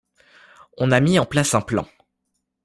On a mis en place un plan.